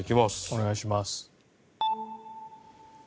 お願いします。